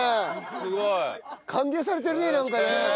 すごい。歓迎されてるねなんかね。